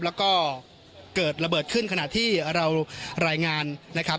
แล้วก็เกิดระเบิดขึ้นขณะที่เรารายงานนะครับ